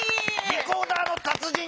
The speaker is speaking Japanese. リコーダーの達人